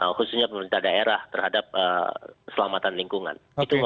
khususnya pemerintah daerah terhadap keselamatan lingkungan